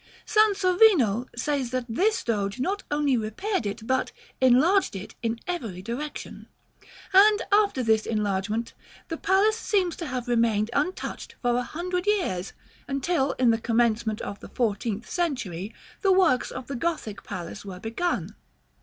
Sansovino says that this Doge not only repaired it, but "enlarged it in every direction;" and, after this enlargement, the palace seems to have remained untouched for a hundred years, until, in the commencement of the fourteenth century, the works of the Gothic Palace were begun.